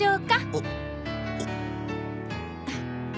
あっ。